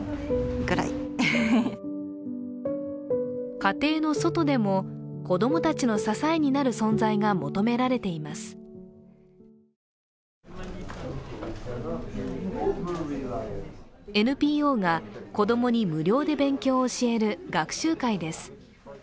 家庭の外でも子供たちの支えになる存在が求められていますＮＰＯが子供に無料で勉強を教える学習会です。